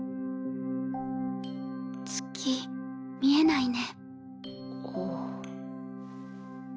「月見えないね」